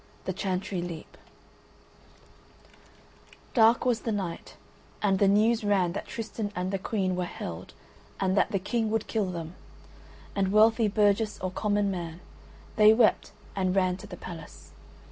THE CHANTRY LEAP Dark was the night, and the news ran that Tristan and the Queen were held and that the King would kill them; and wealthy burgess, or common man, they wept and ran to the palace.